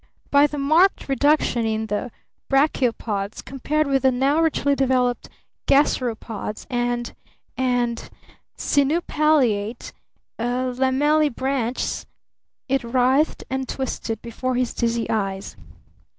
"By the marked reduction in the Brachiopods compared with the now richly developed Gasteropods and and sinupalliate Lamellibranchs," it writhed and twisted before his dizzy eyes.